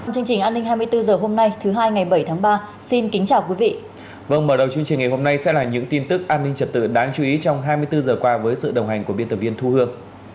các bạn hãy đăng ký kênh để ủng hộ kênh của chúng mình nhé